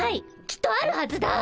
きっとあるはずだ。